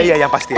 iya yang pasti